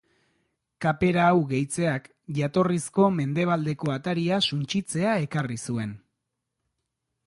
Kapera hau gehitzeak jatorrizko mendebaldeko ataria suntsitzea ekarri zuen.